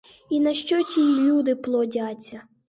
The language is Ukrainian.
І нащо ті й люди плодяться?